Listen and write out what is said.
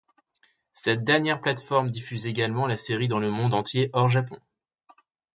Cette dernière plate-forme diffuse également la série dans le monde entier hors Japon.